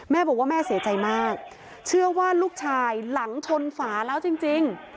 แม่บอกว่าแม่เสียใจมากเชื่อว่าลูกชายหลังชนฝาแล้วจริง